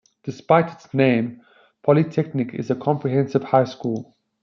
Despite its name, Polytechnic is a comprehensive high school.